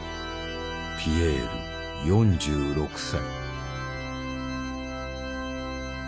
ピエール４６歳。